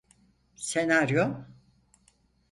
Senaryo…